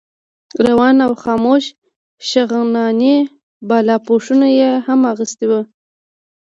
روان او خموش شغناني بالاپوشونه یې هم اخیستي وو.